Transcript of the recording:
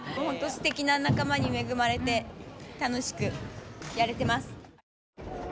すてきな仲間に恵まれて楽しくやれてます。